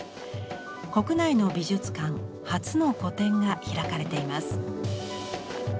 国内の美術館初の個展が開かれています。